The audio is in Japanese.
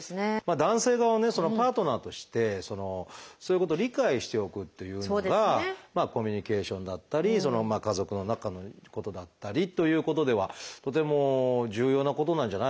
男性側はねパートナーとしてそういうことを理解しておくというのがコミュニケーションだったり家族の中のことだったりということではとても重要なことなんじゃないかなと。